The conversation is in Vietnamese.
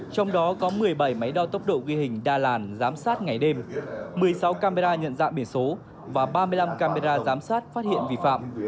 trong đó có một mươi bảy máy đo tốc độ ghi hình đa làn giám sát ngày đêm một mươi sáu camera nhận dạng biển số và ba mươi năm camera giám sát phát hiện vi phạm